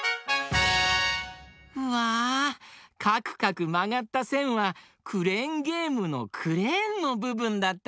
うわかくかくまがったせんはクレーンゲームのクレーンのぶぶんだったのか！